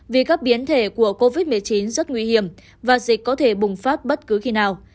vì các biến thể của covid một mươi chín rất nguy hiểm và dịch có thể bùng phát bất cứ khi nào